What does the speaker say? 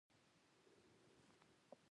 تش جېب مصیبت نه دی، بلکی تش زړه او سر مصیبت دی